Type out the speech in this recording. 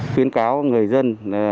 tuyên cáo người dân